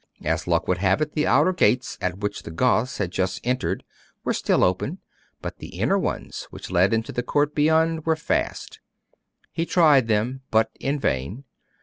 As luck would have it, the outer gates, at which the Goths had just entered, were still open; but the inner ones which led into the court beyond were fast. He tried them, but in vain.